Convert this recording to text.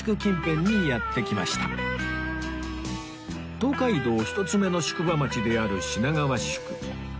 東海道１つ目の宿場町である品川宿